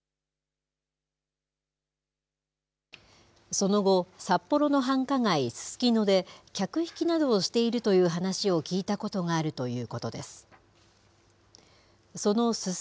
その後、札幌の繁華街、ススキノで、客引きなどをしているという話を聞いたことがあるということです。